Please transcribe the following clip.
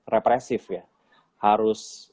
represif ya harus